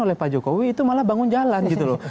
oleh pak jokowi itu malah bangun jalan gitu loh